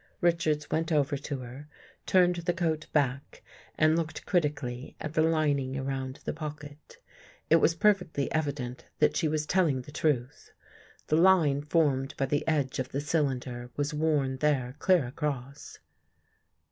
Richards went over to her, turned the coat back and looked critically at the lining around the pocket. 128 THE FIRST CONjFESSION It was perfectly evident that she was telling the truth. The line formed by the edge of the cylinder was worn there clear across.